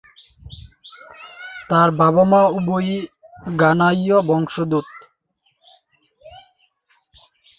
তার বাবা-মা উভয়েই ঘানায়ীয় বংশোদ্ভূত।